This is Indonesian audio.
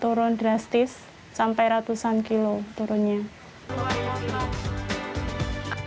turun drastis sampai ratusan kilo turunnya